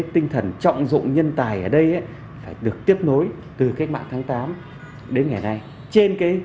tinh thần trọng dụng nhân tài ở đây phải được tiếp nối từ cách mạng tháng tám đến ngày nay